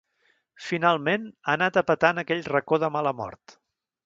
Finalment, ha anat a petar en aquell racó de mala mort.